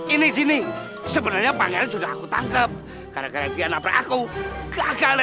ini ini sebenernya pangeran sudah aku tangkep karena kaya dia napra aku gagal ya